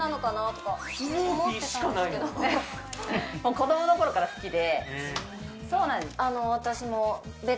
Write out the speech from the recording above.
子供の頃から好きで。